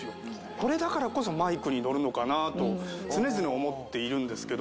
これだからこそマイクにのるのかなと常々思っているんですけど。